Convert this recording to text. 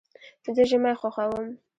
زه ژمی خوښوم.